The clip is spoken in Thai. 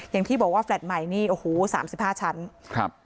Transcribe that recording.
อย่างที่บอกว่าแฟลตใหม่นี่โอ้โหสามสิบห้าชั้นครับ